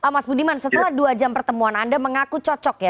mas budiman setelah dua jam pertemuan anda mengaku cocok ya